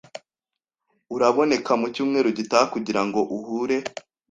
Uraboneka mucyumweru gitaha kugirango uhure?